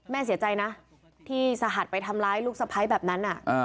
แม่เสียใจนะที่สหัสไปทำร้ายลูกสะพ้ายแบบนั้น